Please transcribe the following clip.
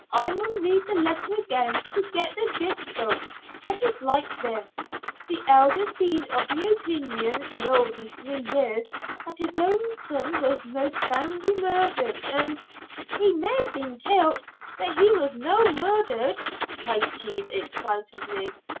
I maun read the letter again to get the gist o't, but it's like this. The Elder's been of the opeenion noo these three years that his son was most foully murder't, an " "He may ha'e been kill't, but he was no' murder't," cried Jean, excitedly.